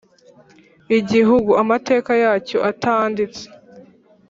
igihugu amateka yacyo atanditse -